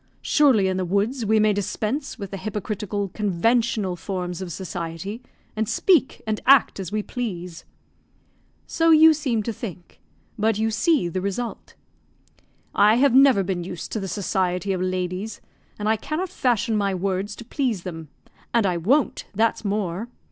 Surely, in the woods we may dispense with the hypocritical, conventional forms of society, and speak and act as we please." "So you seem to think; but you see the result." "I have never been used to the society of ladies, and I cannot fashion my words to please them; and I won't, that's more!"